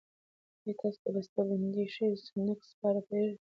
ایا تاسو د بستهبندي شويو سنکس په اړه پوهېږئ؟